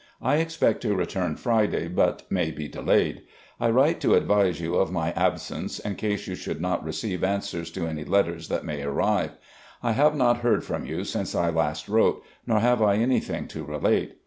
I expect to return Friday, but may be delayed. I write to advise you of my absence, in case you should not receive answers to any letters that may arrive. I have not heard from you since I last wrote; nor have I anything to relate.